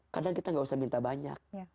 kadang kita gak usah minta banyak